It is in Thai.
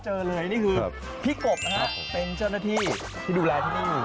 คือพี่กบนะฮะเป็นเจ้าหน้าที่ที่ดูแลที่นี่